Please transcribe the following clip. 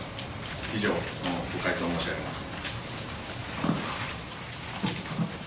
以上、ご回答申し上げます。